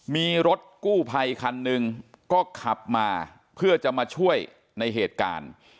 มีรถกู้ภัยคันหนึ่งก็ขับมาเพื่อจะมาช่วยในเหตุการณ์